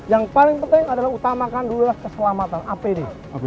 yang paling penting adalah utamakan dulu adalah keselamatan apd